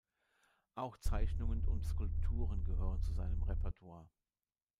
Auch Zeichnungen und Skulpturen gehören zu seinem Repertoire.